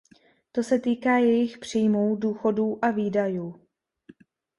To se týká jejich příjmů, důchodů a výdajů.